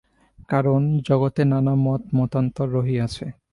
কারণ, জগতে নানা মত-মতান্তর রহিয়াছে।